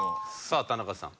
さあ田中さん。